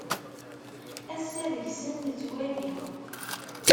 Ass-a deg-sen nettwali.